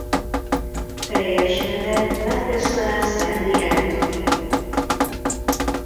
Teljes neve Lancaster Stanley Anthony.